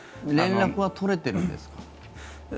連絡は取れているんですか？